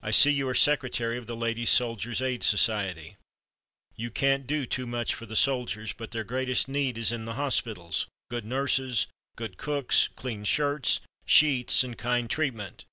I see you are secretary of the Ladies Soldiers' Aid Society. You can't do too much for the soldiers, but their greatest need is in the hospitals, good nurses, good cooks, clean shirts, sheets, and kind treatment.